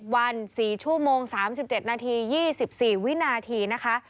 วัน๔ชั่วโมง๓๗นาที๒๔วินาทีนะคะ